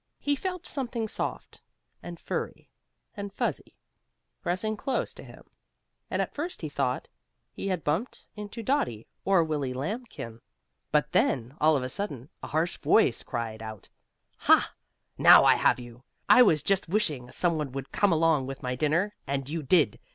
He felt something soft, and furry, and fuzzy, pressing close to him, and at first he thought he had bumped into Dottie or Willie Lambkin. But then, all of a sudden, a harsh voice cried out: "Ha! Now I have you! I was just wishing some one would come along with my dinner, and you did!